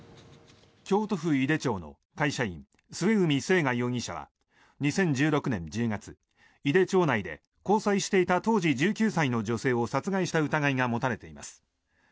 京都府井手町の会社員末海征河容疑者は２０１６年１０月、井手町内で交際していた当時１９歳の女性を殺害した疑いが持たれています。